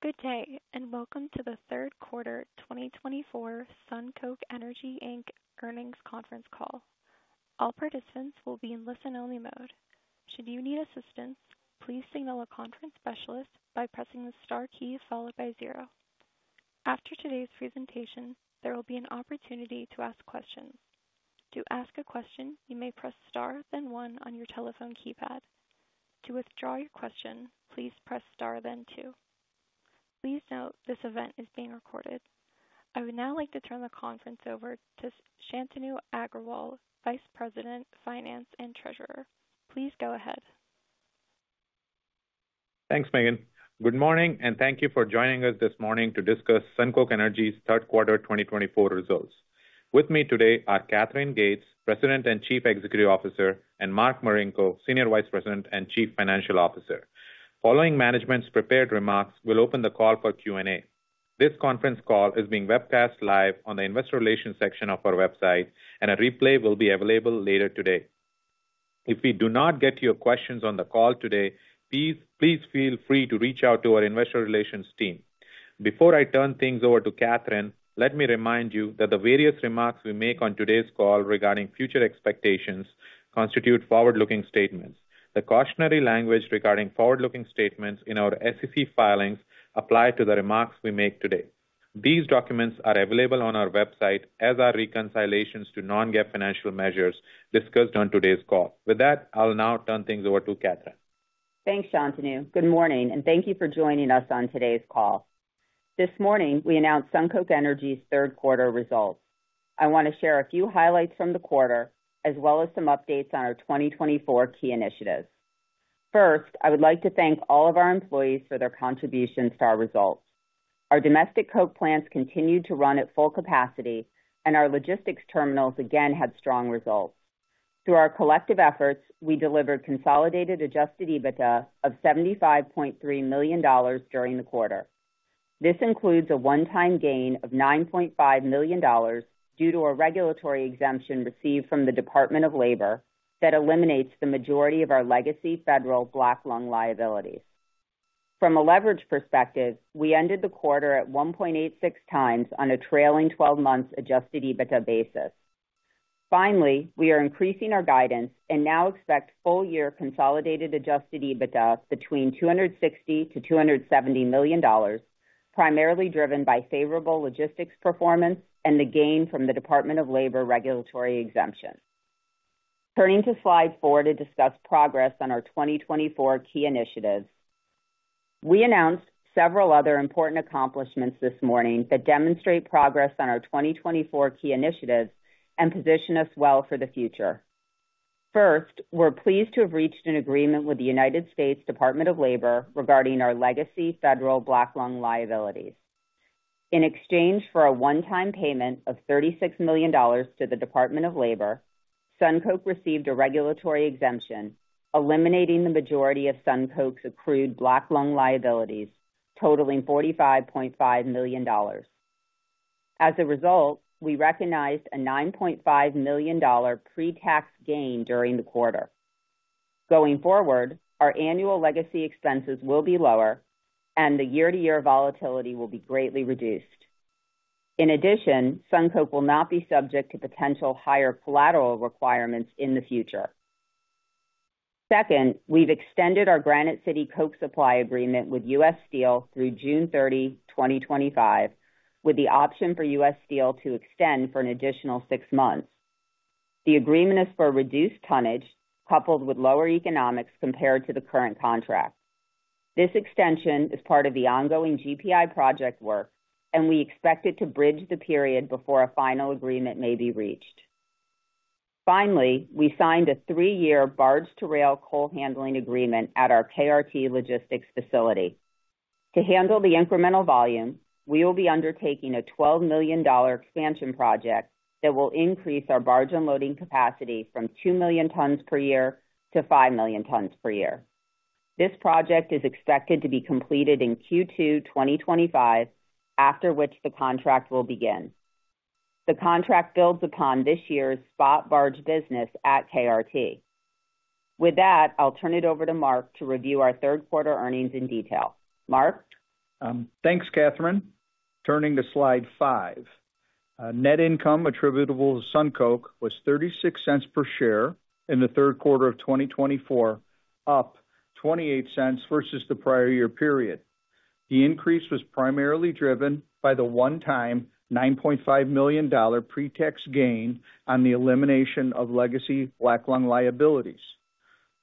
Good day and welcome to the third quarter 2024 SunCoke Energy Inc. earnings conference call. All participants will be in listen-only mode. Should you need assistance, please signal a conference specialist by pressing the star key followed by zero. After today's presentation, there will be an opportunity to ask questions. To ask a question, you may press star then one on your telephone keypad. To withdraw your question, please press star then two. Please note this event is being recorded. I would now like to turn the conference over to Shantanu Agrawal, Vice President, Finance and Treasurer. Please go ahead. Thanks, Megan. Good morning and thank you for joining us this morning to discuss SunCoke Energy's third quarter 2024 results. With me today are Katherine Gates, President and Chief Executive Officer, and Mark Marinko, Senior Vice President and Chief Financial Officer. Following management's prepared remarks, we'll open the call for Q&A. This conference call is being webcast live on the investor relations section of our website, and a replay will be available later today. If we do not get to your questions on the call today, please feel free to reach out to our investor relations team. Before I turn things over to Katherine, let me remind you that the various remarks we make on today's call regarding future expectations constitute forward-looking statements. The cautionary language regarding forward-looking statements in our SEC filings applies to the remarks we make today. These documents are available on our website, as are reconciliations to Non-GAAP financial measures discussed on today's call. With that, I'll now turn things over to Katherine. Thanks, Shantanu. Good morning and thank you for joining us on today's call. This morning, we announced SunCoke Energy's third quarter results. I want to share a few highlights from the quarter as well as some updates on our 2024 key initiatives. First, I would like to thank all of our employees for their contributions to our results. Our domestic coke plants continued to run at full capacity, and our logistics terminals again had strong results. Through our collective efforts, we delivered consolidated adjusted EBITDA of $75.3 million during the quarter. This includes a one-time gain of $9.5 million due to a regulatory exemption received from the Department of Labor that eliminates the majority of our legacy federal Black Lung liabilities. From a leverage perspective, we ended the quarter at 1.86 times on a trailing 12 months adjusted EBITDA basis. Finally, we are increasing our guidance and now expect full-year consolidated adjusted EBITDA between $260-$270 million, primarily driven by favorable logistics performance and the gain from the Department of Labor regulatory exemption. Turning to slide four to discuss progress on our 2024 key initiatives, we announced several other important accomplishments this morning that demonstrate progress on our 2024 key initiatives and position us well for the future. First, we're pleased to have reached an agreement with the United States Department of Labor regarding our legacy federal Black Lung liabilities. In exchange for a one-time payment of $36 million to the Department of Labor, SunCoke received a regulatory exemption eliminating the majority of SunCoke's accrued Black Lung liabilities totaling $45.5 million. As a result, we recognized a $9.5 million pre-tax gain during the quarter. Going forward, our annual legacy expenses will be lower and the year-to-year volatility will be greatly reduced. In addition, SunCoke will not be subject to potential higher collateral requirements in the future. Second, we've extended our Granite City Coke supply agreement with U.S. Steel through June 30, 2025, with the option for U.S. Steel to extend for an additional six months. The agreement is for reduced tonnage coupled with lower economics compared to the current contract. This extension is part of the ongoing GPI project work, and we expect it to bridge the period before a final agreement may be reached. Finally, we signed a three-year barge-to-rail coal handling agreement at our KRT logistics facility. To handle the incremental volume, we will be undertaking a $12 million expansion project that will increase our barge unloading capacity from 2 million tons per year to 5 million tons per year. This project is expected to be completed in Q2 2025, after which the contract will begin. The contract builds upon this year's spot barge business at KRT. With that, I'll turn it over to Mark to review our third quarter earnings in detail. Mark. Thanks, Katherine. Turning to slide five, net income attributable to SunCoke was $0.36 per share in the third quarter of 2024, up $0.28 versus the prior year period. The increase was primarily driven by the one-time $9.5 million pre-tax gain on the elimination of legacy Black Lung liabilities.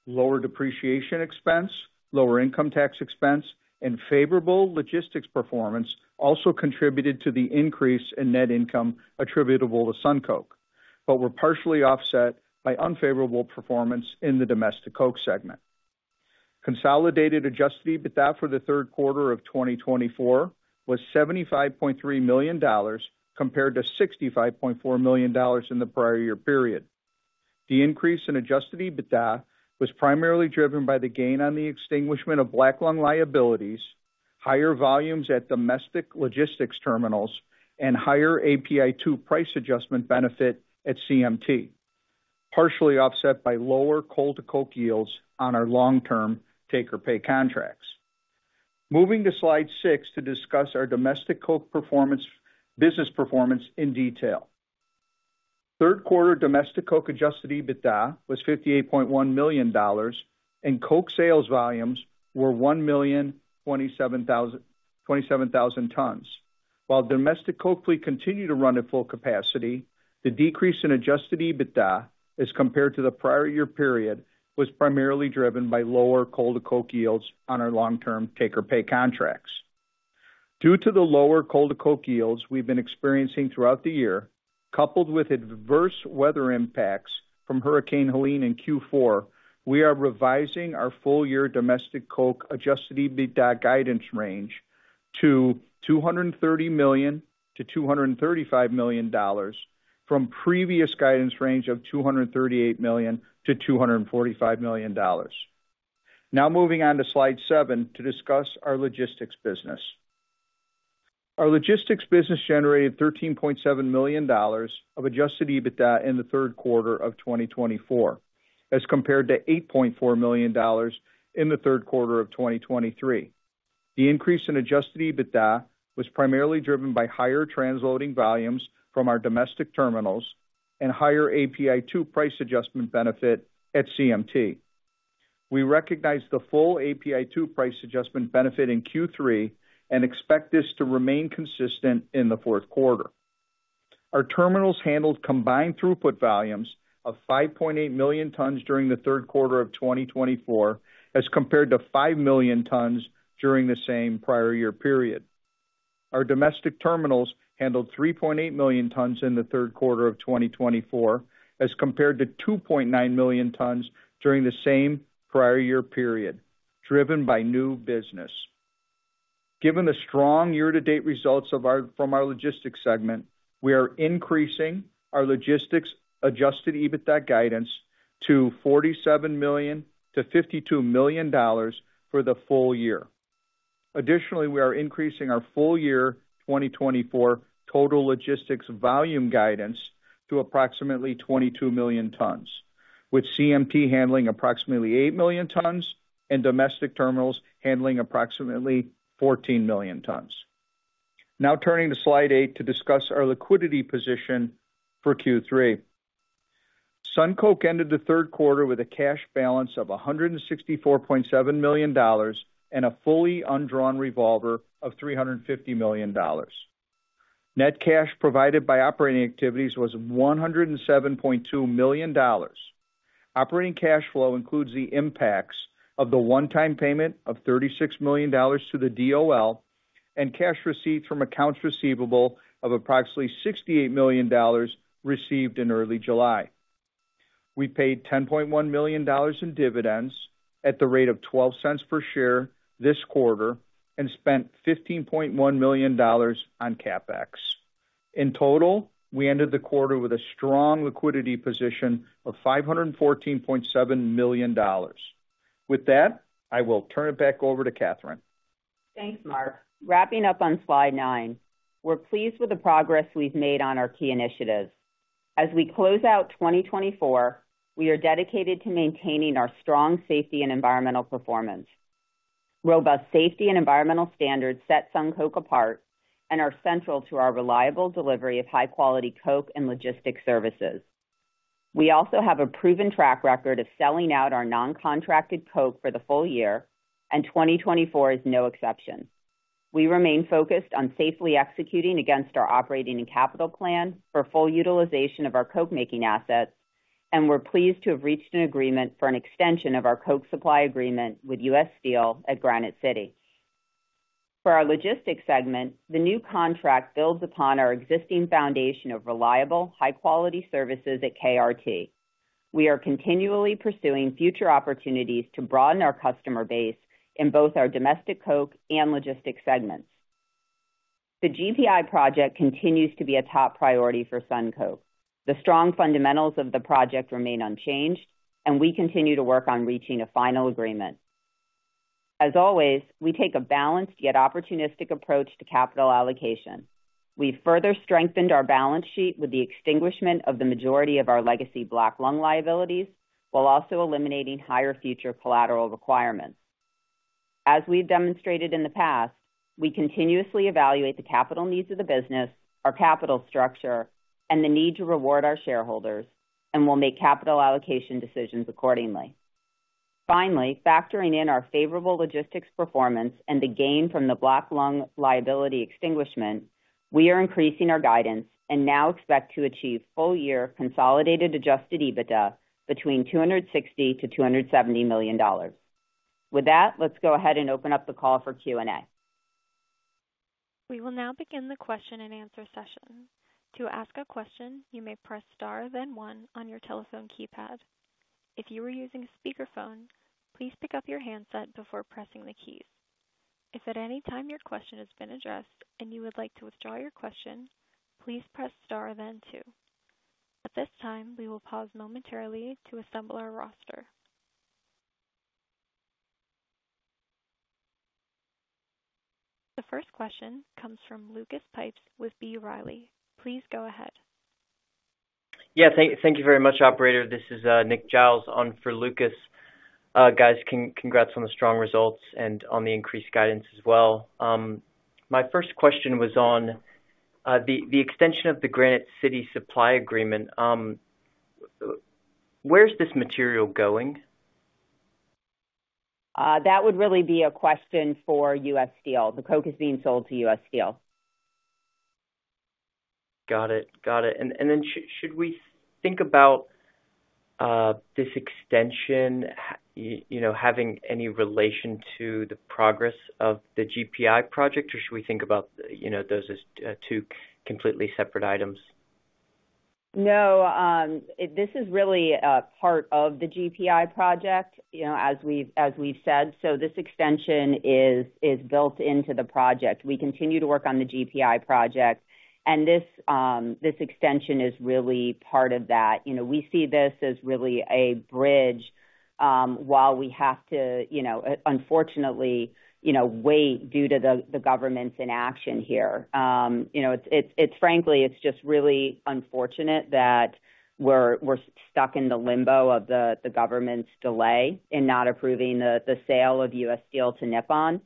Lower depreciation expense, lower income tax expense, and favorable logistics performance also contributed to the increase in net income attributable to SunCoke, but were partially offset by unfavorable performance in the domestic coke segment. Consolidated adjusted EBITDA for the third quarter of 2024 was $75.3 million compared to $65.4 million in the prior year period. The increase in adjusted EBITDA was primarily driven by the gain on the extinguishment of Black Lung liabilities, higher volumes at domestic logistics terminals, and higher API-2 price adjustment benefit at CMT, partially offset by lower coal-to-coke yields on our long-term take-or-pay contracts. Moving to slide six to discuss our domestic coke business performance in detail. Third quarter domestic coke Adjusted EBITDA was $58.1 million, and coke sales volumes were 1,027,000 tons. While domestic coke fleet continued to run at full capacity, the decrease in Adjusted EBITDA as compared to the prior year period was primarily driven by lower coal-to-coke yields on our long-term take-or-pay contracts. Due to the lower coal-to-coke yields we've been experiencing throughout the year, coupled with adverse weather impacts from Hurricane Helene in Q4, we are revising our full-year domestic Coke Adjusted EBITDA guidance range to $230-$235 million from previous guidance range of $238-$245 million. Now moving on to slide seven to discuss our logistics business. Our logistics business generated $13.7 million of Adjusted EBITDA in the third quarter of 2024 as compared to $8.4 million in the third quarter of 2023. The increase in Adjusted EBITDA was primarily driven by higher transloading volumes from our domestic terminals and higher API-2 price adjustment benefit at CMT. We recognize the full API-2 price adjustment benefit in Q3 and expect this to remain consistent in the fourth quarter. Our terminals handled combined throughput volumes of 5.8 million tons during the third quarter of 2024 as compared to 5 million tons during the same prior year period. Our domestic terminals handled 3.8 million tons in the third quarter of 2024 as compared to 2.9 million tons during the same prior year period, driven by new business. Given the strong year-to-date results from our logistics segment, we are increasing our logistics Adjusted EBITDA guidance to $47 million-$52 million for the full year. Additionally, we are increasing our full-year 2024 total logistics volume guidance to approximately 22 million tons, with CMT handling approximately 8 million tons and domestic terminals handling approximately 14 million tons. Now turning to slide eight to discuss our liquidity position for Q3. SunCoke ended the third quarter with a cash balance of $164.7 million and a fully undrawn revolver of $350 million. Net cash provided by operating activities was $107.2 million. Operating cash flow includes the impacts of the one-time payment of $36 million to the DOL and cash receipts from accounts receivable of approximately $68 million received in early July. We paid $10.1 million in dividends at the rate of $0.12 per share this quarter and spent $15.1 million on CapEx. In total, we ended the quarter with a strong liquidity position of $514.7 million. With that, I will turn it back over to Katherine. Thanks, Mark. Wrapping up on slide nine, we're pleased with the progress we've made on our key initiatives. As we close out 2024, we are dedicated to maintaining our strong safety and environmental performance. Robust safety and environmental standards set SunCoke apart and are central to our reliable delivery of high-quality Coke and logistics services. We also have a proven track record of selling out our non-contracted Coke for the full year, and 2024 is no exception. We remain focused on safely executing against our operating and capital plan for full utilization of our Coke-making assets, and we're pleased to have reached an agreement for an extension of our Coke supply agreement with U.S. Steel at Granite City. For our logistics segment, the new contract builds upon our existing foundation of reliable, high-quality services at KRT. We are continually pursuing future opportunities to broaden our customer base in both our domestic Coke and logistics segments. The GPI project continues to be a top priority for SunCoke. The strong fundamentals of the project remain unchanged, and we continue to work on reaching a final agreement. As always, we take a balanced yet opportunistic approach to capital allocation. We've further strengthened our balance sheet with the extinguishment of the majority of our legacy Black Lung liabilities while also eliminating higher future collateral requirements. As we've demonstrated in the past, we continuously evaluate the capital needs of the business, our capital structure, and the need to reward our shareholders, and we'll make capital allocation decisions accordingly. Finally, factoring in our favorable logistics performance and the gain from the Black lung liability extinguishment, we are increasing our guidance and now expect to achieve full-year consolidated Adjusted EBITDA between $260-$270 million. With that, let's go ahead and open up the call for Q&A. We will now begin the question and answer session. To ask a question, you may press star, then one on your telephone keypad. If you are using a speakerphone, please pick up your handset before pressing the keys. If at any time your question has been addressed and you would like to withdraw your question, please press star, then two. At this time, we will pause momentarily to assemble our roster. The first question comes from Lucas Pipes with B. Riley. Please go ahead. Yes, thank you very much, Operator. This is Nick Giles on for Lucas. Guys, congrats on the strong results and on the increased guidance as well. My first question was on the extension of the Granite City supply agreement. Where's this material going? That would really be a question for U.S. Steel. The Coke is being sold to U.S. Steel. Got it. Got it. And then should we think about this extension having any relation to the progress of the GPI project, or should we think about those as two completely separate items? No, this is really part of the GPI project, as we've said. So this extension is built into the project. We continue to work on the GPI project, and this extension is really part of that. We see this as really a bridge while we have to, unfortunately, wait due to the government's inaction here. Frankly, it's just really unfortunate that we're stuck in the limbo of the government's delay in not approving the sale of U.S. Steel to Nippon.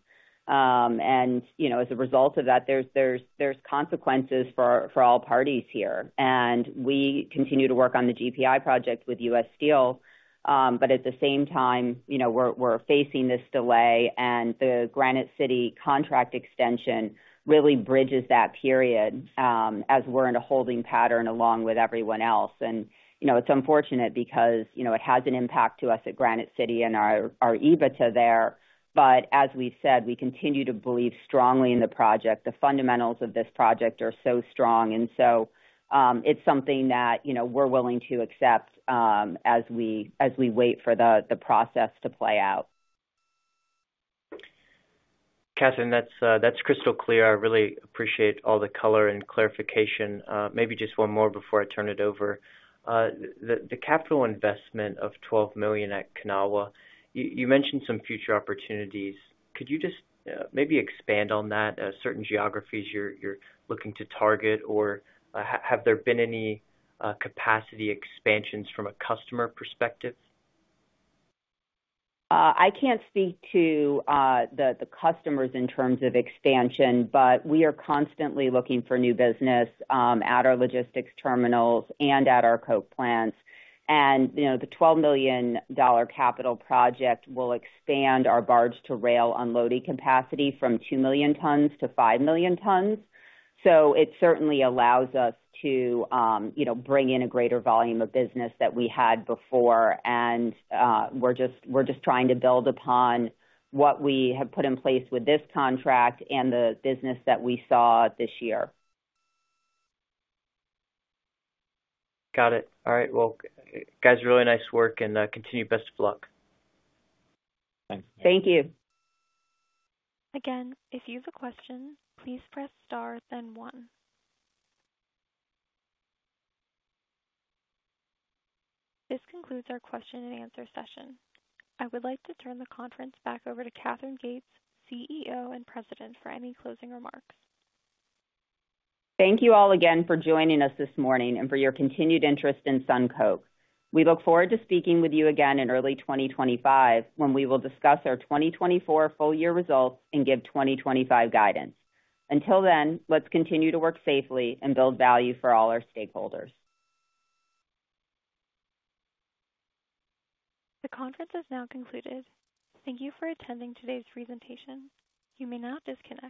And as a result of that, there's consequences for all parties here. And we continue to work on the GPI project with U.S. Steel, but at t he same time, we're facing this delay, and the Granite City contract extension really bridges that period as we're in a holding pattern along with everyone else. And it's unfortunate because it has an impact to us at Granite City and our EBITDA there. But as we've said, we continue to believe strongly in the project. The fundamentals of this project are so strong, and so it's something that we're willing to accept as we wait for the process to play out. Katherine, that's crystal clear. I really appreciate all the color and clarification. Maybe just one more before I turn it over. The capital investment of $12 million at Kanawha, you mentioned some future opportunities. Could you just maybe expand on that? Certain geographies you're looking to target, or have there been any capacity expansions from a customer perspective? I can't speak to the customers in terms of expansion, but we are constantly looking for new business at our logistics terminals and at our Coke plants, and the $12 million capital project will expand our barge-to-rail unloading capacity from two million tons to five million tons, so it certainly allows us to bring in a greater volume of business that we had before, and we're just trying to build upon what we have put in place with this contract and the business that we saw this year. Got it. All right, well, guys, really nice work, and continue best of luck. Thanks. Thank you. Again, if you have a question, please press star, then one. This concludes our question and answer session. I would like to turn the conference back over to Katherine Gates, CEO and President, for any closing remarks. Thank you all again for joining us this morning and for your continued interest in SunCoke. We look forward to speaking with you again in early 2025 when we will discuss our 2024 full-year results and give 2025 guidance. Until then, let's continue to work safely and build value for all our stakeholders. The conference is now concluded. Thank you for attending today's presentation. You may now disconnect.